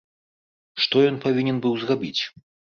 Што ён павінен быў зрабіць?